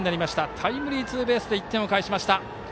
タイムリーツーベースで１点返しました。